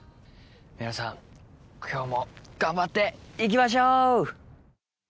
皆さん、今日も頑張っていきましょう！